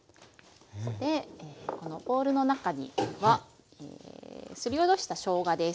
このボウルの中にはすりおろしたしょうがです。